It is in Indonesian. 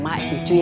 yang lu oleh costy